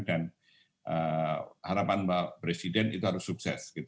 dan harapan pak presiden itu harus sukses